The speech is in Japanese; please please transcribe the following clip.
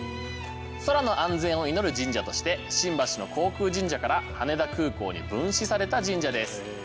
空の安全を祈る神社として新橋の航空神社から羽田空港に分祠された神社です。